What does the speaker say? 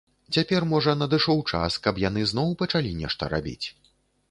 Цяпер, можа, надышоў час, каб яны зноў пачалі нешта рабіць.